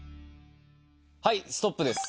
はいストップです。